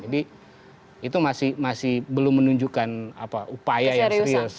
jadi itu masih belum menunjukkan upaya yang serius